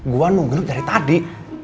gua nunggu dari tadi